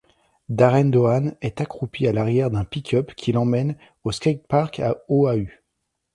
Darren Doane est accroupi à l'arrière d'un pick-up qui l'emmène au skatepark de Oahu.